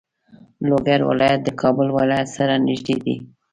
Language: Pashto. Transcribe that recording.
لوګر ولایت د کابل ولایت سره نږدې دی.